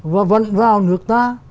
và vận vào nước ta